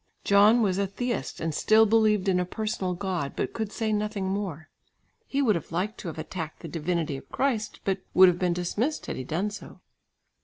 John was a theist, and still believed in a personal God, but could say nothing more. He would have liked to have attacked the divinity of Christ, but would have been dismissed had he done so.